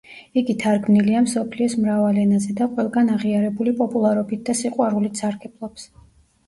იგი თარგმნილია მსოფლიოს მრავალ ენაზე და ყველგან აღიარებული პოპულარობით და სიყვარულით სარგებლობს.